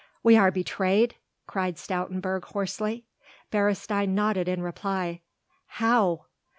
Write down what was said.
"We are betrayed?" cried Stoutenburg hoarsely. Beresteyn nodded in reply. "How?"